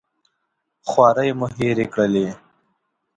خوارۍ مو هېرې کړلې.